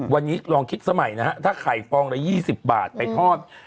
วันนี้ลองคิดสมัยนะฮะถ้าไข่ฟองละ๒๐บาทไปทอด